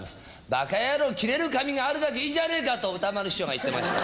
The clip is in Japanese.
ばか野郎、切れる髪があるだけいいじゃねえかと、歌丸師匠が言ってました。